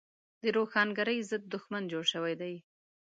د روښانګرۍ ضد دښمن جوړ شوی دی.